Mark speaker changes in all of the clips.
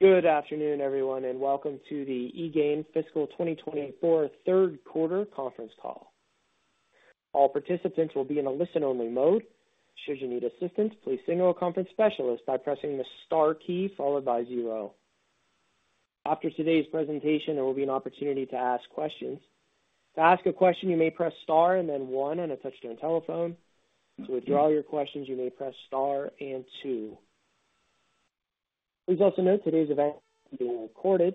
Speaker 1: Good afternoon, everyone, and welcome to the eGain Fiscal 2024 third quarter conference call. All participants will be in a listen-only mode. Should you need assistance, please signal a conference specialist by pressing the star key followed by 0. After today's presentation, there will be an opportunity to ask questions. To ask a question, you may press star and then 1 on a touch-tone telephone. To withdraw your questions, you may press star and 2. Please also note today's event is being recorded.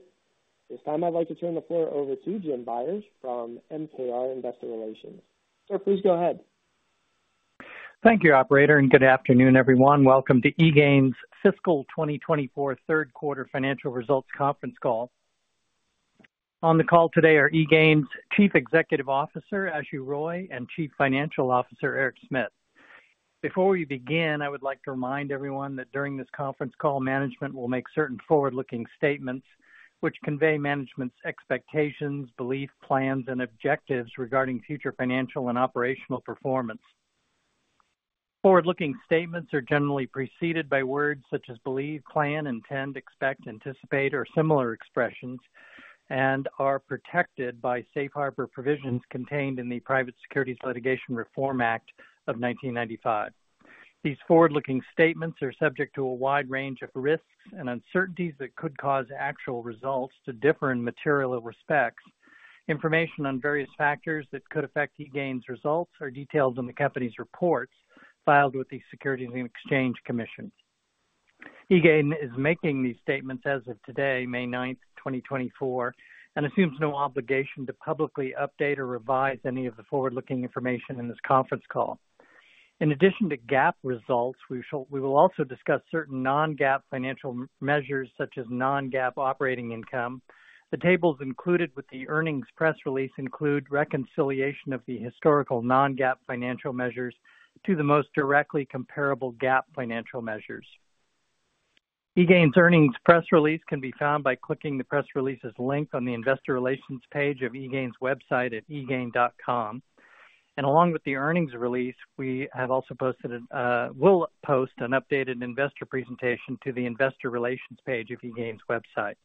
Speaker 1: This time, I'd like to turn the floor over to Jim Byers from MKR Investor Relations. Sir, please go ahead.
Speaker 2: Thank you, operator, and good afternoon, everyone. Welcome to eGain's Fiscal 2024 third quarter financial results conference call. On the call today are eGain's Chief Executive Officer Ashu Roy and Chief Financial Officer Eric Smit. Before we begin, I would like to remind everyone that during this conference call, management will make certain forward-looking statements which convey management's expectations, belief, plans, and objectives regarding future financial and operational performance. Forward-looking statements are generally preceded by words such as believe, plan, intend, expect, anticipate, or similar expressions and are protected by safe harbor provisions contained in the Private Securities Litigation Reform Act of 1995. These forward-looking statements are subject to a wide range of risks and uncertainties that could cause actual results to differ in material respects. Information on various factors that could affect eGain's results are detailed in the company's reports filed with the Securities and Exchange Commission. eGain is making these statements as of today, May 9th, 2024, and assumes no obligation to publicly update or revise any of the forward-looking information in this conference call. In addition to GAAP results, we will also discuss certain non-GAAP financial measures such as non-GAAP operating income. The tables included with the earnings press release include reconciliation of the historical non-GAAP financial measures to the most directly comparable GAAP financial measures. eGain's earnings press release can be found by clicking the press release's link on the Investor Relations page of eGain's website at eGain.com. Along with the earnings release, we have also posted. We'll post an updated investor presentation to the Investor Relations page of eGain's website.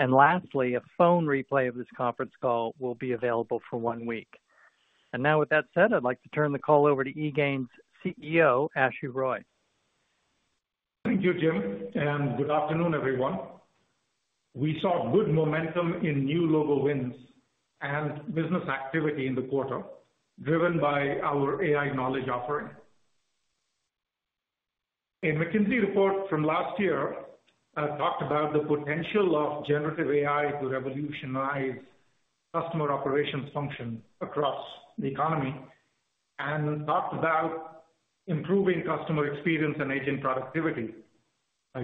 Speaker 2: Lastly, a phone replay of this conference call will be available for one week. Now, with that said, I'd like to turn the call over to eGain's CEO Ashu Roy.
Speaker 3: Thank you, Jim. Good afternoon, everyone. We saw good momentum in new logo wins and business activity in the quarter driven by our AI knowledge offering. A McKinsey report from last year talked about the potential of generative AI to revolutionize customer operations function across the economy and talked about improving customer experience and agent productivity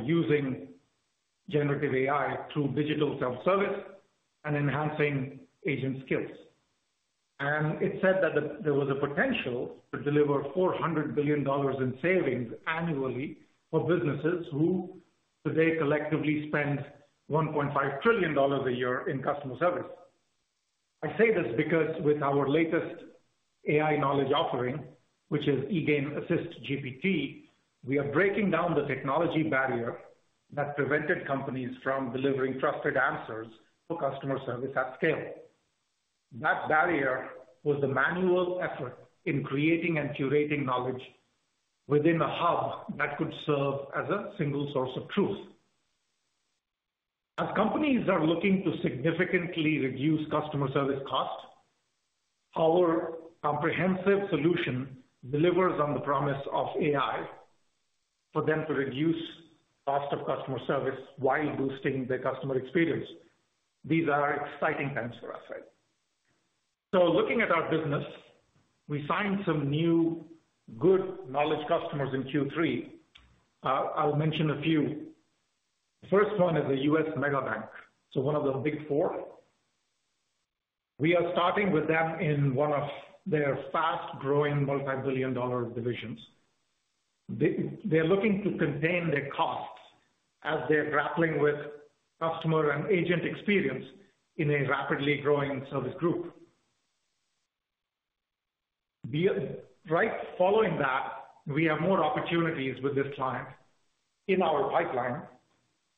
Speaker 3: using generative AI through digital self-service and enhancing agent skills. It said that there was a potential to deliver $400 billion in savings annually for businesses who today collectively spend $1.5 trillion a year in customer service. I say this because with our latest AI knowledge offering, which is eGain AssistGPT, we are breaking down the technology barrier that prevented companies from delivering trusted answers for customer service at scale. That barrier was the manual effort in creating and curating knowledge within a hub that could serve as a single source of truth. As companies are looking to significantly reduce customer service cost, our comprehensive solution delivers on the promise of AI for them to reduce cost of customer service while boosting their customer experience. These are exciting times for us, right? So looking at our business, we signed some new good knowledge customers in Q3. I'll mention a few. The first one is a U.S. mega bank, so one of the Big Four. We are starting with them in one of their fast-growing multibillion-dollar divisions. They're looking to contain their costs as they're grappling with customer and agent experience in a rapidly growing service group. Right following that, we have more opportunities with this client in our pipeline,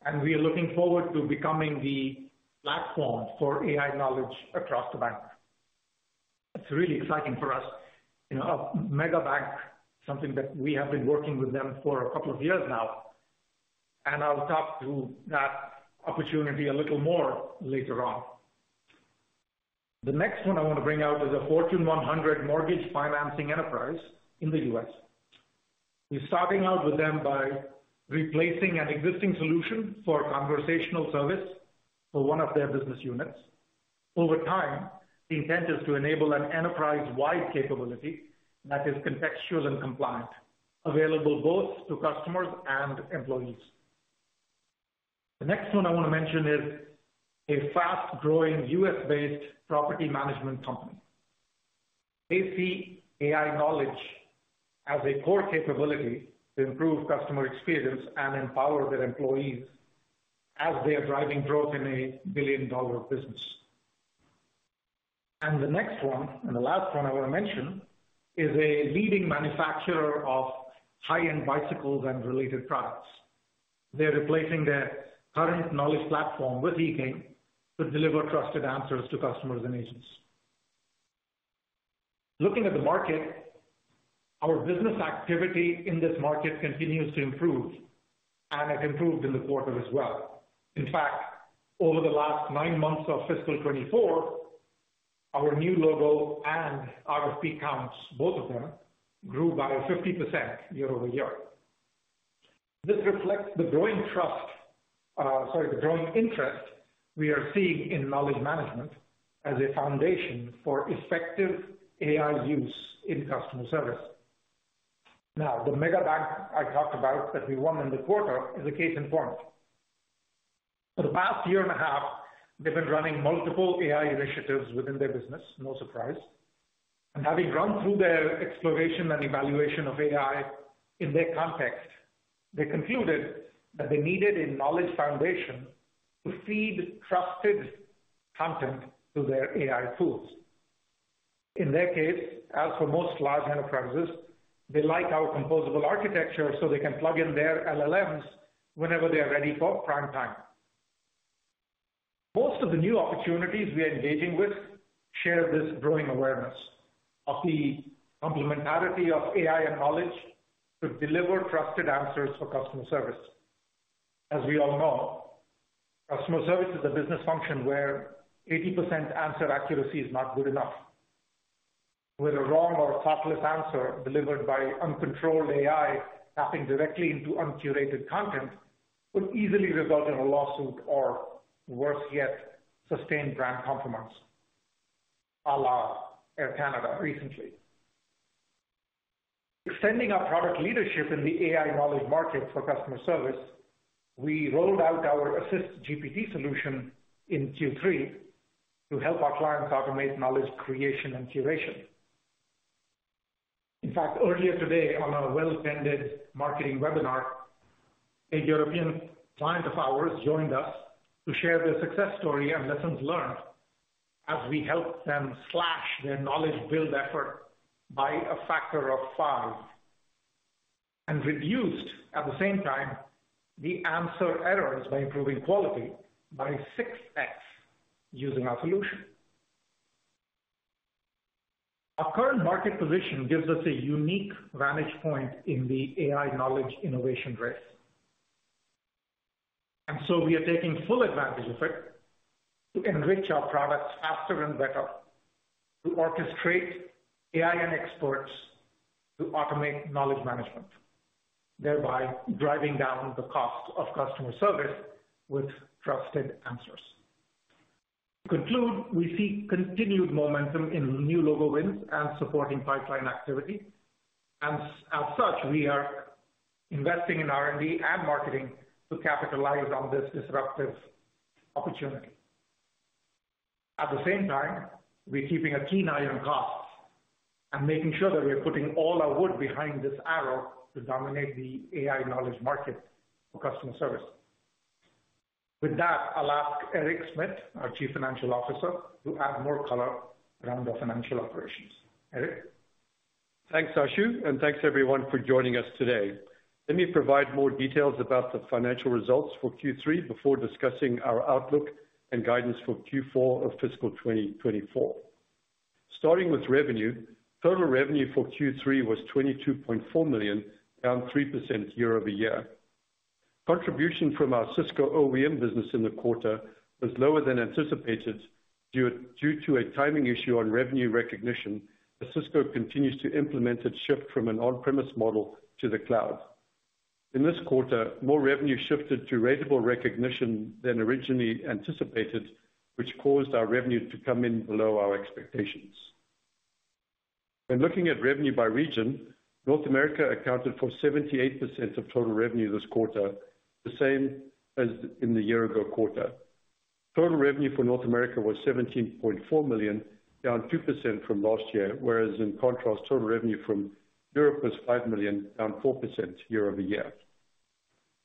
Speaker 3: and we are looking forward to becoming the platform for AI knowledge across the bank. It's really exciting for us, a mega bank, something that we have been working with them for a couple of years now. And I'll talk to that opportunity a little more later on. The next one I want to bring out is a Fortune 100 mortgage financing enterprise in the U.S. We're starting out with them by replacing an existing solution for conversational service for one of their business units. Over time, the intent is to enable an enterprise-wide capability that is contextual and compliant, available both to customers and employees. The next one I want to mention is a fast-growing U.S.-based property management company. They see AI knowledge as a core capability to improve customer experience and empower their employees as they are driving growth in a billion-dollar business. And the next one and the last one I want to mention is a leading manufacturer of high-end bicycles and related products. They're replacing their current knowledge platform with eGain to deliver trusted answers to customers and agents. Looking at the market, our business activity in this market continues to improve, and it improved in the quarter as well. In fact, over the last nine months of Fiscal 2024, our new logo and RFP counts, both of them, grew by 50% year-over-year. This reflects the growing trust sorry, the growing interest we are seeing in knowledge management as a foundation for effective AI use in customer service. Now, the mega bank I talked about that we won in the quarter is a case in point. For the past year and a half, they've been running multiple AI initiatives within their business, no surprise. Having run through their exploration and evaluation of AI in their context, they concluded that they needed a knowledge foundation to feed trusted content to their AI tools. In their case, as for most large enterprises, they like our composable architecture so they can plug in their LLMs whenever they are ready for prime time. Most of the new opportunities we are engaging with share this growing awareness of the complementarity of AI and knowledge to deliver trusted answers for customer service. As we all know, customer service is a business function where 80% answer accuracy is not good enough. With a wrong or thoughtless answer delivered by uncontrolled AI tapping directly into uncurated content, could easily result in a lawsuit or, worse yet, sustained brand compromise, à la Air Canada recently. Extending our product leadership in the AI knowledge market for customer service, we rolled out our AssistGPT solution in Q3 to help our clients automate knowledge creation and curation. In fact, earlier today on a well-tended marketing webinar, a European client of ours joined us to share their success story and lessons learned as we helped them slash their knowledge build effort by a factor of five and reduced, at the same time, the answer errors by improving quality by 6x using our solution. Our current market position gives us a unique vantage point in the AI knowledge innovation race. And so we are taking full advantage of it to enrich our products faster and better, to orchestrate AI and experts to automate knowledge management, thereby driving down the cost of customer service with trusted answers. To conclude, we see continued momentum in new logo wins and supporting pipeline activity. And as such, we are investing in R&D and marketing to capitalize on this disruptive opportunity. At the same time, we're keeping a keen eye on costs and making sure that we are putting all our wood behind this arrow to dominate the AI knowledge market for customer service. With that, I'll ask Eric Smit, our Chief Financial Officer, to add more color around our financial operations. Eric?
Speaker 4: Thanks, Ashu. And thanks, everyone, for joining us today. Let me provide more details about the financial results for Q3 before discussing our outlook and guidance for Q4 of Fiscal 2024. Starting with revenue, total revenue for Q3 was $22.4 million, down 3% year-over-year. Contribution from our Cisco OEM business in the quarter was lower than anticipated due to a timing issue on revenue recognition as Cisco continues to implement its shift from an on-premise model to the cloud. In this quarter, more revenue shifted to ratable recognition than originally anticipated, which caused our revenue to come in below our expectations. When looking at revenue by region, North America accounted for 78% of total revenue this quarter, the same as in the year-ago quarter. Total revenue for North America was $17.4 million, down 2% from last year, whereas in contrast, total revenue from Europe was $5 million, down 4% year-over-year.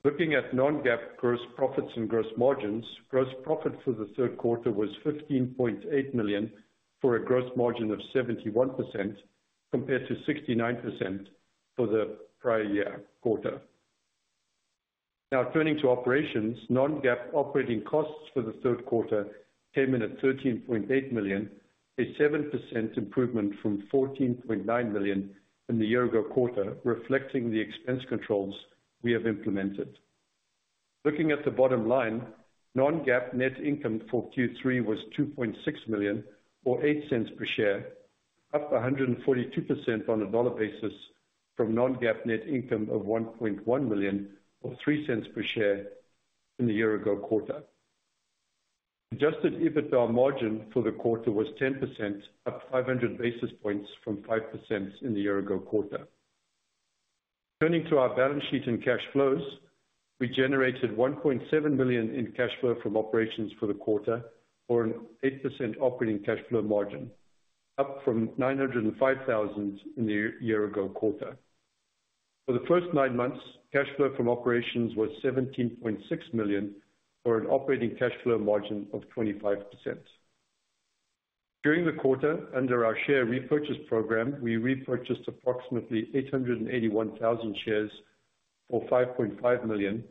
Speaker 4: Looking at non-GAAP gross profits and gross margins, gross profit for the third quarter was $15.8 million for a gross margin of 71% compared to 69% for the prior year quarter. Now, turning to operations, non-GAAP operating costs for the third quarter came in at $13.8 million, a 7% improvement from $14.9 million in the year-ago quarter, reflecting the expense controls we have implemented. Looking at the bottom line, non-GAAP net income for Q3 was $2.6 million or $0.08 per share, up 142% on a dollar basis from non-GAAP net income of $1.1 million or $0.03 per share in the year-ago quarter. Adjusted EBITDA margin for the quarter was 10%, up 500 basis points from 5% in the year-ago quarter. Turning to our balance sheet and cash flows, we generated $1.7 million in cash flow from operations for the quarter for an 8% operating cash flow margin, up from $905,000 in the year-ago quarter. For the first nine months, cash flow from operations was $17.6 million for an operating cash flow margin of 25%. During the quarter, under our share repurchase program, we repurchased approximately 881,000 shares for $5.5 million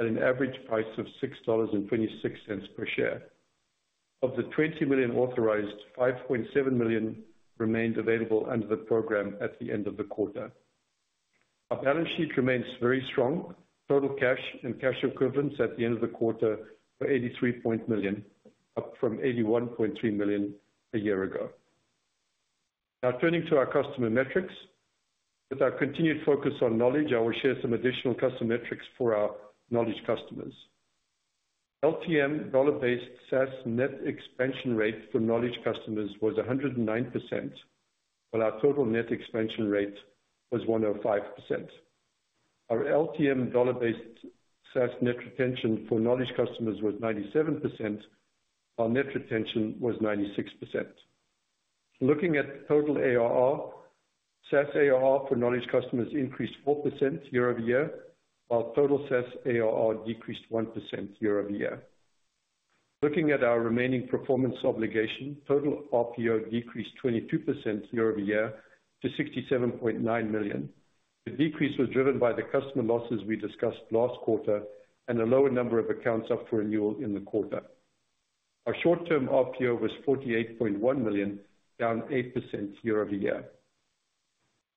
Speaker 4: at an average price of $6.26 per share. Of the 20 million authorized, 5.7 million remained available under the program at the end of the quarter. Our balance sheet remains very strong. Total cash and cash equivalents at the end of the quarter were $83.0 million, up from $81.3 million a year ago. Now, turning to our customer metrics. With our continued focus on knowledge, I will share some additional customer metrics for our knowledge customers. LTM dollar-based SaaS net expansion rate for knowledge customers was 109%, while our total net expansion rate was 105%. Our LTM dollar-based SaaS net retention for knowledge customers was 97%, while net retention was 96%. Looking at total ARR, SaaS ARR for knowledge customers increased 4% year-over-year, while total SaaS ARR decreased 1% year-over-year. Looking at our remaining performance obligation, total RPO decreased 22% year-over-year to $67.9 million. The decrease was driven by the customer losses we discussed last quarter and a lower number of accounts up for renewal in the quarter. Our short-term RPO was $48.1 million, down 8% year-over-year.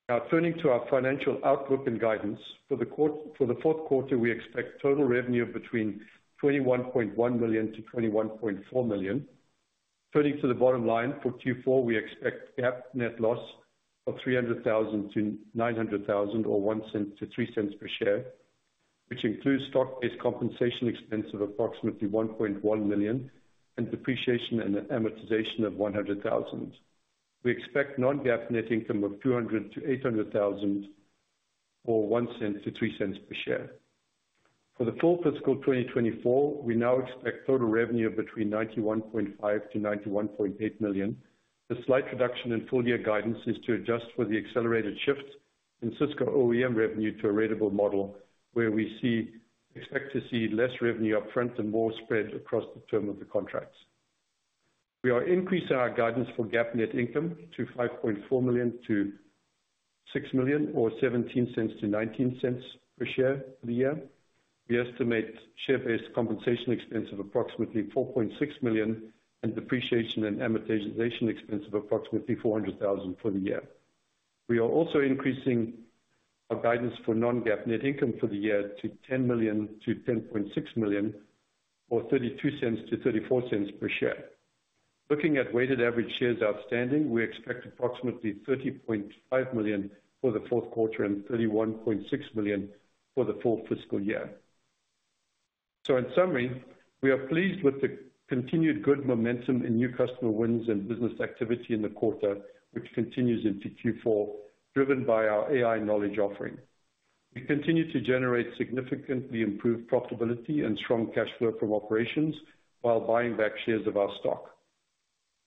Speaker 4: Now, turning to our financial outlook and guidance. For the fourth quarter, we expect total revenue between $21.1 million-$21.4 million. Turning to the bottom line, for Q4, we expect GAAP net loss of $300,000-$900,000 or $0.01-$0.03 per share, which includes stock-based compensation expense of approximately $1.1 million and depreciation and amortization of $100,000. We expect non-GAAP net income of $200,000-$800,000 or $0.01-$0.03 per share. For the full Fiscal 2024, we now expect total revenue between $91.5-$91.8 million. A slight reduction in full-year guidance is to adjust for the accelerated shift in Cisco OEM revenue to a ratable model, where we expect to see less revenue upfront and more spread across the term of the contracts. We are increasing our guidance for GAAP net income to $5.4 million-$6 million or $0.17-$0.19 per share for the year. We estimate share-based compensation expense of approximately $4.6 million and depreciation and amortization expense of approximately $400,000 for the year. We are also increasing our guidance for non-GAAP net income for the year to $10 million-$10.6 million or $0.32-$0.34 per share. Looking at weighted average shares outstanding, we expect approximately 30.5 million for the fourth quarter and 31.6 million for the full fiscal year. So, in summary, we are pleased with the continued good momentum in new customer wins and business activity in the quarter, which continues into Q4, driven by our AI knowledge offering. We continue to generate significantly improved profitability and strong cash flow from operations while buying back shares of our stock.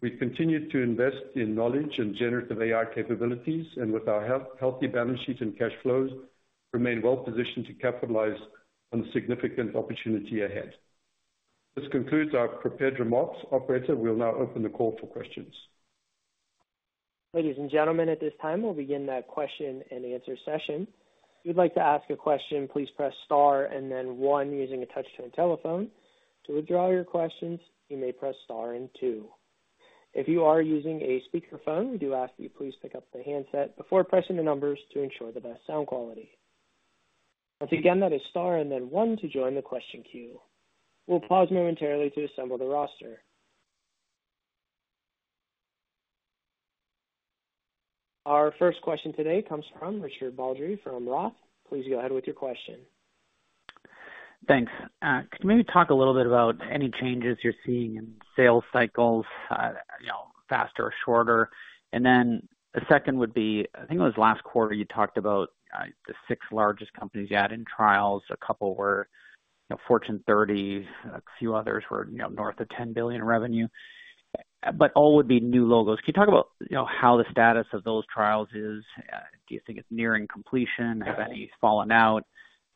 Speaker 4: We continue to invest in knowledge and generative AI capabilities and, with our healthy balance sheet and cash flows, remain well-positioned to capitalize on the significant opportunity ahead. This concludes our prepared remarks. Operator, we'll now open the call for questions.
Speaker 1: Ladies and gentlemen, at this time, we'll begin the question and answer session. If you would like to ask a question, please press star and then one using a touchscreen telephone. To withdraw your questions, you may press star and two. If you are using a speakerphone, we do ask that you please pick up the handset before pressing the numbers to ensure the best sound quality. Once again, that is star and then one to join the question queue. We'll pause momentarily to assemble the roster. Our first question today comes from Richard Baldry from Roth. Please go ahead with your question.
Speaker 5: Thanks. Could you maybe talk a little bit about any changes you're seeing in sales cycles, you know, faster or shorter? And then the second would be, I think it was last quarter, you talked about the six largest companies you had in trials. A couple were, you know, Fortune 30. A few others were, you know, north of $10 billion in revenue. But all would be new logos. Can you talk about, you know, how the status of those trials is? Do you think it's nearing completion? Have any fallen out?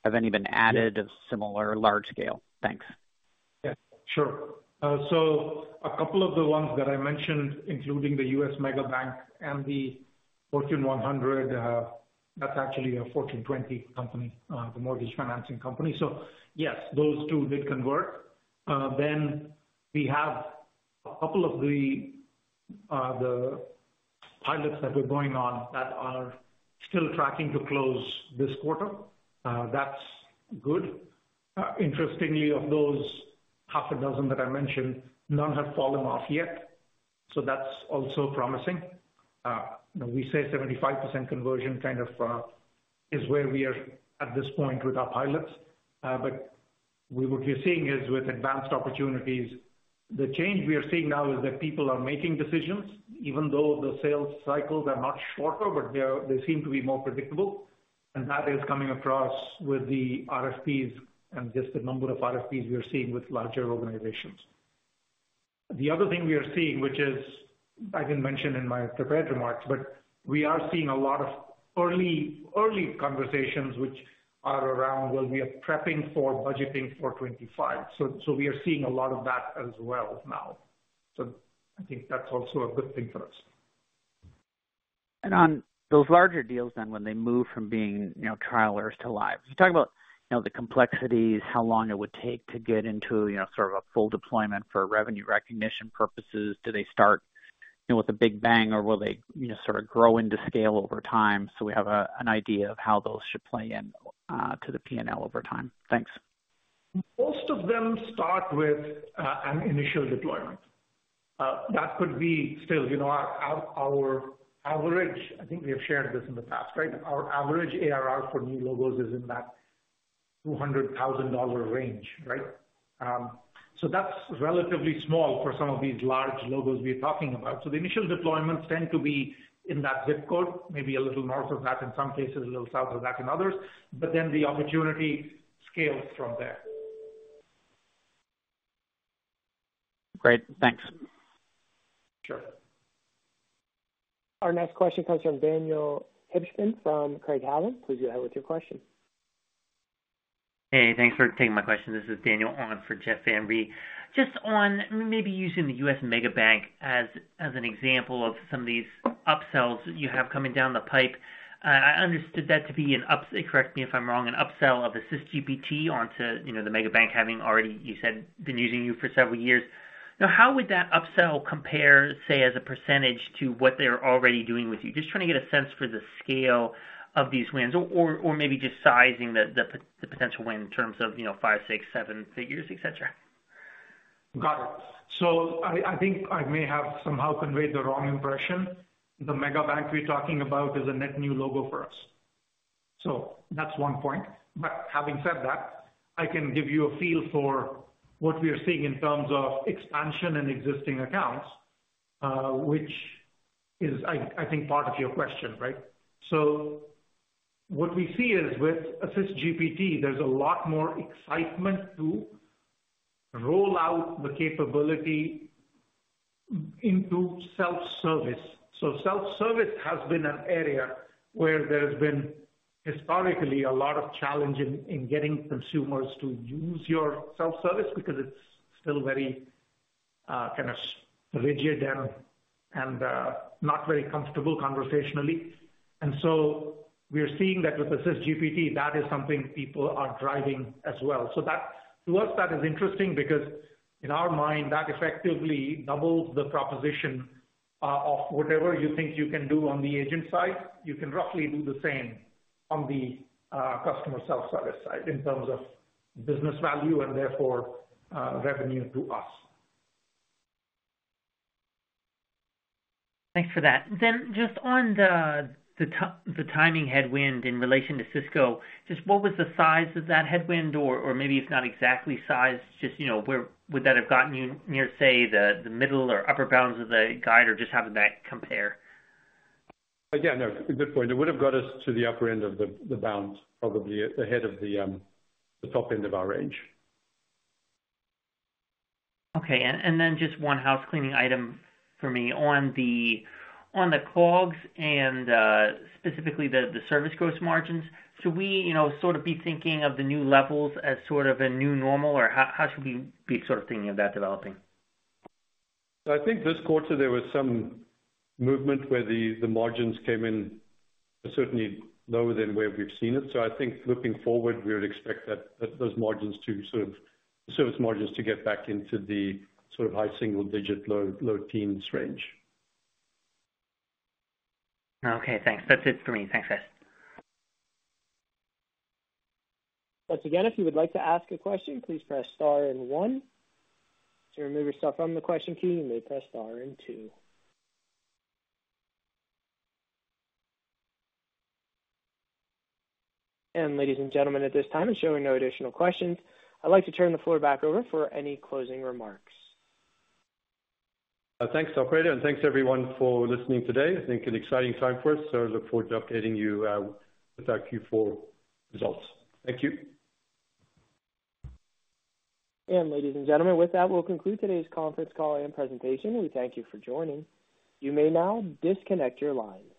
Speaker 5: Have any been added of similar large scale? Thanks.
Speaker 3: Yeah. Sure. So a couple of the ones that I mentioned, including the U.S. mega bank and the Fortune 100, that's actually a Fortune 20 company, the mortgage financing company. So, yes, those two did convert. Then we have a couple of the pilots that we're going on that are still tracking to close this quarter. That's good. Interestingly, of those 6 that I mentioned, none have fallen off yet. So that's also promising. You know, we say 75% conversion kind of is where we are at this point with our pilots. But what we're seeing is, with advanced opportunities, the change we are seeing now is that people are making decisions, even though the sales cycles are not shorter, but they seem to be more predictable. And that is coming across with the RFPs and just the number of RFPs we are seeing with larger organizations. The other thing we are seeing, which is I didn't mention in my prepared remarks, but we are seeing a lot of early, early conversations, which are around, "Well, we are prepping for budgeting for 2025." So we are seeing a lot of that as well now. So I think that's also a good thing for us.
Speaker 5: And on those larger deals then, when they move from being, you know, trialers to live, can you talk about, you know, the complexities, how long it would take to get into, you know, sort of a full deployment for revenue recognition purposes? Do they start, you know, with a big bang, or will they, you know, sort of grow into scale over time so we have an idea of how those should play into the P&L over time? Thanks.
Speaker 3: Most of them start with an initial deployment. That could be still, you know, our average I think we have shared this in the past, right? Our average ARR for new logos is in that $200,000 range, right? So that's relatively small for some of these large logos we are talking about. So the initial deployments tend to be in that zip code, maybe a little north of that in some cases, a little south of that in others. But then the opportunity scales from there.
Speaker 5: Great. Thanks.
Speaker 3: Sure.
Speaker 1: Our next question comes from Daniel Hibshman from Craig-Hallum. Please go ahead with your question.
Speaker 6: Hey. Thanks for taking my question. This is Daniel Hibshman for Jeff Van Rhee. Just on maybe using the U.S. mega bank as an example of some of these upsells that you have coming down the pipe, I understood that to be an upsell, correct me if I'm wrong, an upsell of AssistGPT onto, you know, the mega bank having already, you said, been using you for several years. Now, how would that upsell compare, say, as a percentage to what they're already doing with you? Just trying to get a sense for the scale of these wins or maybe just sizing the potential win in terms of, you know, five, six, seven figures, et cetera.
Speaker 3: Got it. So I think I may have somehow conveyed the wrong impression. The mega bank we're talking about is a net new logo for us. So that's one point. But having said that, I can give you a feel for what we are seeing in terms of expansion and existing accounts, which is, I think, part of your question, right? So what we see is, with AssistGPT, there's a lot more excitement to roll out the capability into self-service. So self-service has been an area where there has been historically a lot of challenge in getting consumers to use your self-service because it's still very kind of rigid and not very comfortable conversationally. And so we are seeing that, with AssistGPT, that is something people are driving as well. So to us, that is interesting because, in our mind, that effectively doubles the proposition of whatever you think you can do on the agent side, you can roughly do the same on the customer self-service side in terms of business value and, therefore, revenue to us.
Speaker 6: Thanks for that. Then just on the timing headwind in relation to Cisco, just what was the size of that headwind? Or maybe it's not exactly size, just, you know, where would that have gotten you near, say, the middle or upper bounds of the guide or just having that compare?
Speaker 4: Yeah. No. Good point. It would have got us to the upper end of the bounds, probably ahead of the top end of our range.
Speaker 6: Okay. And then just one house-cleaning item for me. On the COGS and specifically the service gross margins, should we, you know, sort of be thinking of the new levels as sort of a new normal, or how should we be sort of thinking of that developing?
Speaker 4: So I think, this quarter, there was some movement where the margins came in certainly lower than where we've seen it. So I think, looking forward, we would expect that those margins to sort of the service margins to get back into the sort of high single-digit, low teens range.
Speaker 6: Okay. Thanks. That's it for me. Thanks, guys.
Speaker 1: Once again, if you would like to ask a question, please press star and one. To remove yourself from the question queue, you may press star and two. Ladies and gentlemen, at this time, and showing no additional questions, I'd like to turn the floor back over for any closing remarks.
Speaker 4: Thanks, Operator. Thanks, everyone, for listening today. I think an exciting time for us. I look forward to updating you with our Q4 results. Thank you.
Speaker 1: Ladies and gentlemen, with that, we'll conclude today's conference call and presentation. We thank you for joining. You may now disconnect your lines.